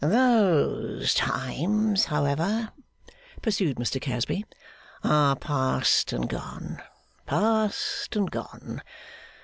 'Those times, however,' pursued Mr Casby, 'are past and gone, past and gone.